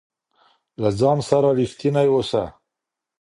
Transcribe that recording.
له ځان سره رښتينی اوسه